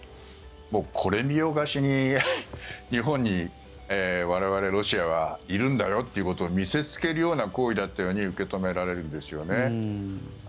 これ見よがしに日本に我々ロシアはいるんだということを見せつけるような行為だったように受け止められるんですよね。